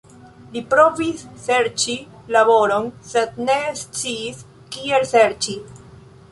Li provis serĉi laboron, sed ne sciis kiel serĉi.